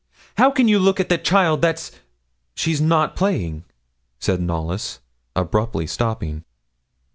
How can you look at that child that's she's not playing,' said Knollys, abruptly stopping.